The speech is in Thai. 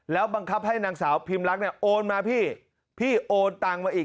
แล้วบังคับให้นางสาวพิมรักเนี่ยโอนมาพี่พี่โอนตังมาอีก